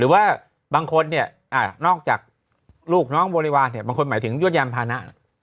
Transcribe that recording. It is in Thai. ว่าบางคนเนี่ยนอกจากลูกน้องบริวารเนี่ยบางคนหมายถึงยวดยานพานะ